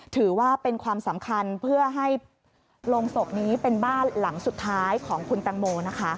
ถือว่าเป็นความสำคัญเพื่อให้โรงศพนี้เป็นบ้านหลังสุดท้ายของคุณตังโมนะคะ